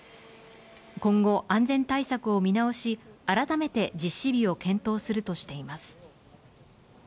今後、安全対策を見直し改めて実施日を検討するとしています。